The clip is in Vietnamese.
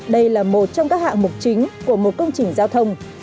vẻ hè là một trong các hạng mục chính của một công trình giao thông